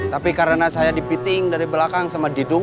tapi karena saya dipiting dari belakang sama didung